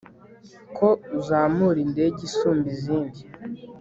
ko uzamura indege isumba izindi